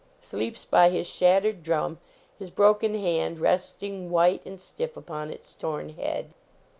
sleeps by his shattered drum, his broken hand resting white and stiff upon its torn head.